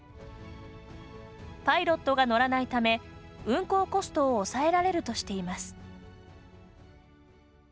パイロットが乗らないため運航コストを抑えられるとしています。